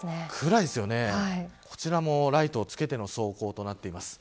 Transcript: こちらもライトをつけての走行になっています。